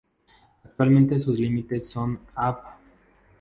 Actualmente sus límites son: Av.